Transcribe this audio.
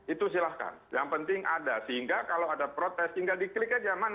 itu silahkan yang penting ada sehingga kalau ada protes tinggal di klik aja